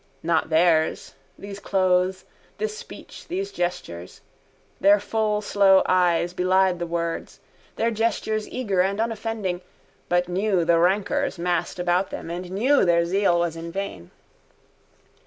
Not theirs: these clothes, this speech, these gestures. Their full slow eyes belied the words, the gestures eager and unoffending, but knew the rancours massed about them and knew their zeal was vain.